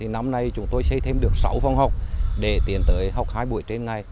năm nay chúng tôi xây thêm được sáu phòng học để tiến tới học hai buổi trên ngày